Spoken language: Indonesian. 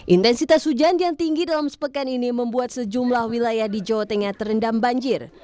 intensitas hujan yang tinggi dalam sepekan ini membuat sejumlah wilayah di jawa tengah terendam banjir